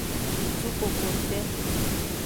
Kutu kokongte.